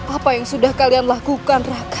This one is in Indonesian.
apa yang sudah kalian lakukan raka